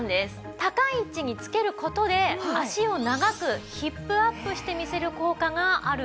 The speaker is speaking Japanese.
高い位置に付ける事で足を長くヒップアップして見せる効果があるんです。